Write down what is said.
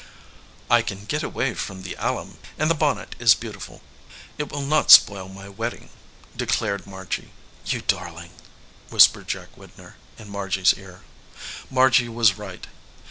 "I can get away from the alum, and the bonnet is beautiful ; it will not spoil my wedding," declared Margy. "You darling," whispered Jack Widner, in Mar gy s ear. Margy was right.